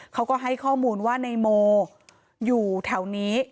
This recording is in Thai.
เขาก็ให้ข้อมูลว่านายโมอยู่แถวนี้